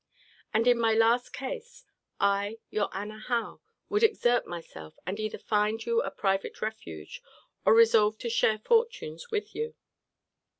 And in my last case, I, your Anna Howe, would exert myself, and either find you a private refuge, or resolve to share fortunes with you.